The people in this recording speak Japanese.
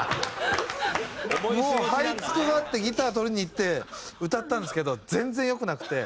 もうはいつくばってギター取りに行って歌ったんですけど全然良くなくて。